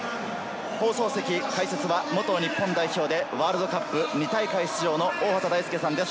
放送席解説は元日本代表でワールドカップ２大会出場の大畑大介さんです。